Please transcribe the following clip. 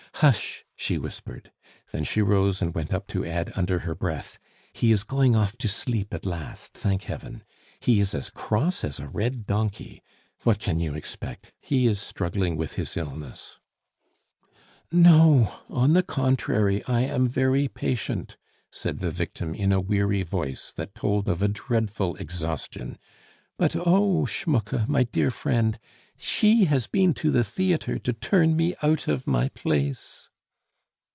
"Hush!" she whispered. Then she rose and went up to add under her breath, "He is going off to sleep at last, thank Heaven! He is as cross as a red donkey! What can you expect, he is struggling with his illness " "No, on the contrary, I am very patient," said the victim in a weary voice that told of a dreadful exhaustion; "but, oh! Schmucke, my dear friend, she has been to the theatre to turn me out of my place."